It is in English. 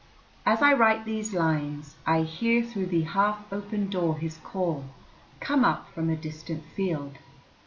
As I write these lines I hear through the half open door his call come up from a distant field.